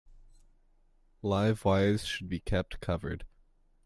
Live wires should be kept covered.